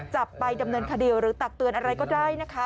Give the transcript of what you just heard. จับไปดำเนินคดีหรือตักเตือนอะไรก็ได้นะคะ